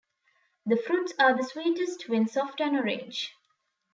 The fruits are the sweetest when soft and orange.